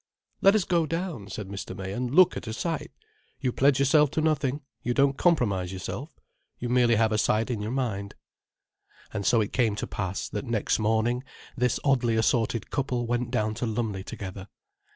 "Let us go down," said Mr. May, "and look at a site. You pledge yourself to nothing—you don't compromise yourself. You merely have a site in your mind." And so it came to pass that, next morning, this oddly assorted couple went down to Lumley together.